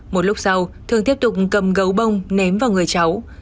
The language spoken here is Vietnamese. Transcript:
một lúc sau thường tiếp tục cầm gấu bông ném vào người cháu